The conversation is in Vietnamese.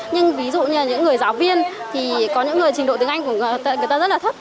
nhưng ví dụ như là những người giáo viên thì có những người trình độ tiếng anh của người ta rất là thấp